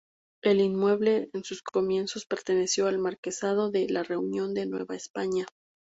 El inmueble, en sus comienzos perteneció al marquesado de la Reunión de Nueva España.